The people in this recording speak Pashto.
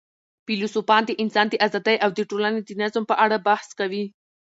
فیلسوفان د انسان د آزادۍ او د ټولني د نظم په اړه بحث کوي.